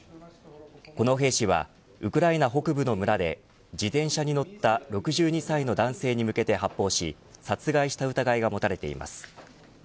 この兵士はウクライナ北部の村で自転車に乗った６２歳の男性に向けて発砲し殺害した疑いが持たれています。